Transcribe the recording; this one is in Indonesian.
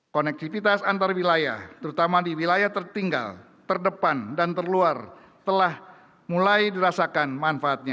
konektivitas antar wilayah terutama di wilayah tertinggal terdepan dan terluar telah mulai dirasakan manfaatnya